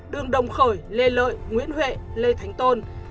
đường đồng khởi lê lợi nguyễn huệ lê thánh tôn